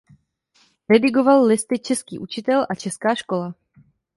Redigoval listy "Český učitel" a "Česká škola".